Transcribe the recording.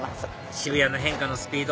渋谷の変化のスピード